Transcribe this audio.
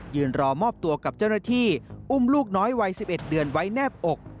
รอมอบตัวกับเจ้าหน้าที่อุ้มลูกน้อยวัย๑๑เดือนไว้แนบอก